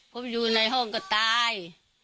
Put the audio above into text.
ผมอยู่ในห้องก็ตาย